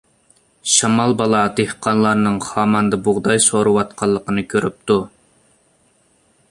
شامال بالا دېھقانلارنىڭ خاماندا بۇغداي سورۇۋاتقانلىقىنى كۆرۈپتۇ.